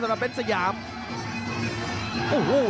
มากขึ้นครับสำหรับเป็นสยาม